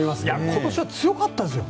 今年は強かったですよ。